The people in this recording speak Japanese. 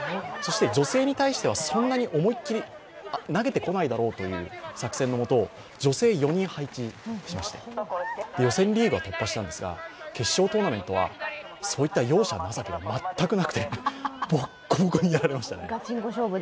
女性に対してはそんなに思い切り投げてこないだろうという作戦のもと、女性４人配置しまして、予選リーグは突破したんですが、決勝トーナメントはそういう容赦が特になくてボッコボコにやられましたね。